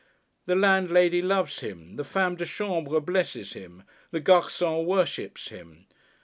The landlady loves him, the femme de chambre blesses him, the garçon worships him.